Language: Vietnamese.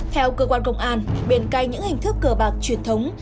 theo cơ quan công an biển cây những hình thức cờ bạc truyền thống